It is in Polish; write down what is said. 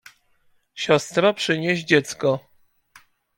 — Siostro, przynieś dziecko…